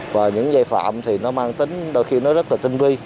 và những dây phạm thì nó mang tính đôi khi nó rất là tinh vi